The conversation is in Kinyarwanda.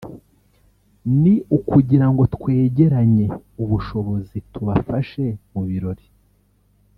ni ukugira ngo twegeranye ubushobozi tubafashe mu birori